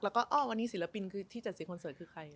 แล้วก็อ้อวันนี้ศิลปินคือที่จัดสิคอนเสิร์ตคือใคร